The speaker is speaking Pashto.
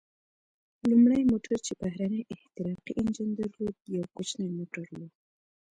لومړی موټر چې بهرنی احتراقي انجن درلود، یو کوچنی موټر و.